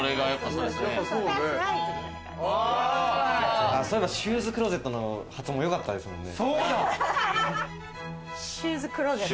そういえばシューズクローゼットの発音もよかったですもんね。